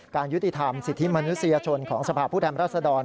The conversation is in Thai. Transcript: ยุติธรรมสิทธิมนุษยชนของสภาพผู้แทนรัศดร